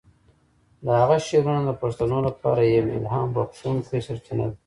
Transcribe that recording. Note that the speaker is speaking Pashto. د هغه شعرونه د پښتنو لپاره یوه الهام بخښونکی سرچینه ده.